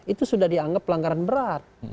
itu sudah dianggap pelanggaran berat